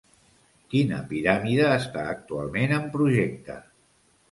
Quina piràmide està actualment en projecte?